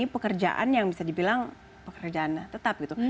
ini pekerjaan yang bisa dibilang pekerjaannya tetap gitu